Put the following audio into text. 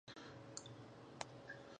لوستې میندې د ماشوم لپاره سالم نظم جوړوي.